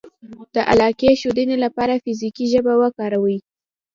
-د علاقې ښودنې لپاره فزیکي ژبه وکاروئ